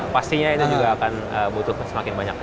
pastinya itu juga akan butuh semakin banyak